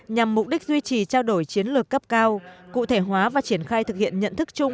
nhằm mục đích duy trì trao đổi chiến lược cấp cao cụ thể hóa và triển khai thực hiện nhận thức chung